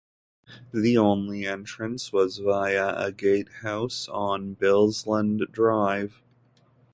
The only entrance was via a gatehouse on Bilsland Drive.